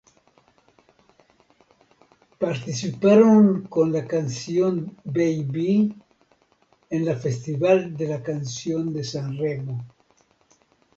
Participaron con la canción Baby en el Festival de la Canción de San Remo.